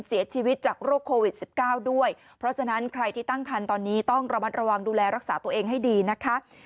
เสียชีวิตจากโรคโควิด๑๙ด้วยเพราะฉะนั้นใครที่ตั้งคันตอนนี้ต้องระมัดระวังดูแลรักษาตัวเองให้ดีนะคะ